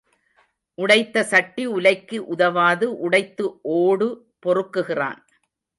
உடைத்த சட்டி உலைக்கு உதவாது, உடைத்து ஓடு பொறுக்குகிறான்.